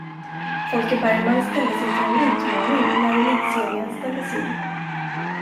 Folke Bergman ställdes inför en utmaning när elitserien ställdes in.